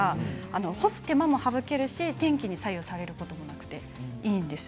干す手間も省けるし天気に左右されることもありません。